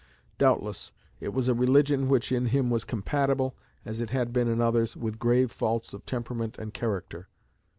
Doubtless it was a religion which in him was compatible, as it has been in others, with grave faults of temperament and character.